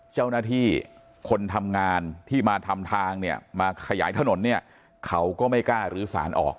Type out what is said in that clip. เจ้าหน้าที่คนทำงานที่มาทำทางเนี่ยมาขยายถนนเนี่ยเขาก็ไม่กล้าลื้อสารออก